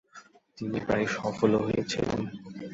তিনি প্রায় সফল ও হয়েছিলেন ।